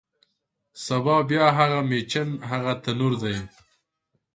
سبا بیا هغه میچن، هغه تنور دی